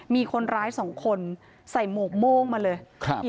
มีคนร้ายสองคนใส่หมวกม่วงมาเลย